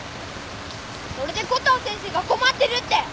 それでコトー先生が困ってるって。